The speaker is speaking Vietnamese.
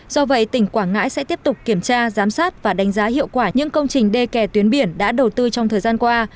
do vậy tỉnh quảng ngãi sẽ tiếp tục kiểm tra giám sát và đánh giá hiệu quả những công trình đê kè tuyến biển đã đầu tư trong thời gian qua